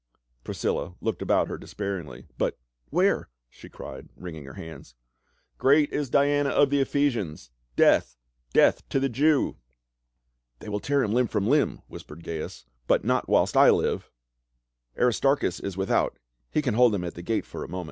Priscilla looked about her despairingly. " But — where?" she cried, wringing her hands. " Great is Diana of the Ephesians ! Death— death to the Jew !"" They will tear him limb from limb," whispered Gains, "but not whilst I live I — Aristarchus is with out, he can hold them at the gate for a moment."